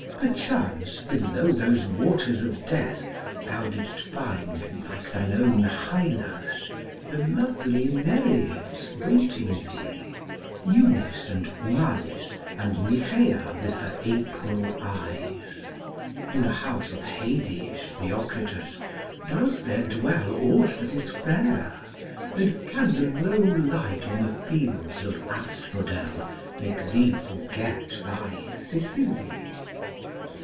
Perchance below those waters of death thou didst find, like thine own Hylas, the lovely Nereids waiting thee, Eunice, and Malis, and Nycheia with her April eyes. In the House of Hades, Theocritus, doth there dwell aught that is fair, and can the low light on the fields of asphodel make thee forget thy Sicily?